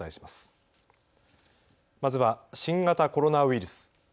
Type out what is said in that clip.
まずは新型コロナウイルス。